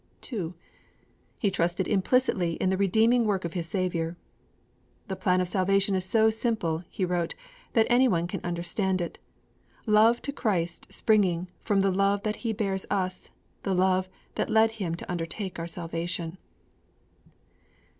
2. He trusted implicitly in the Redeeming Work of His Saviour. 'The plan of salvation is so simple,' he wrote, 'that anyone can understand it love to Christ springing from the love that He bears us, the love that led Him to undertake our salvation.'